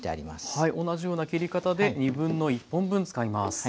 はい同じような切り方で1/2本分使います。